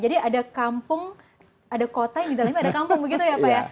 jadi ada kampung ada kota yang di dalamnya ada kampung begitu ya pak ya